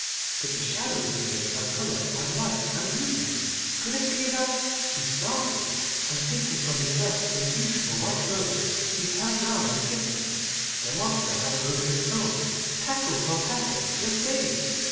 Could the shadows of things have colour and life and movement? Could it be that—? He started, and taking from his breast the beautiful white rose, he turned round, and kissed it. The monster had a rose of its own, petal for petal the same!